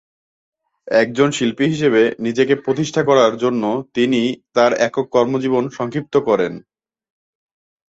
একজন শিল্পী হিসেবে নিজেকে প্রতিষ্ঠা করার জন্য তিনি তার একক কর্মজীবন সংক্ষিপ্ত করেন।